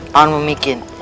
pak man memikir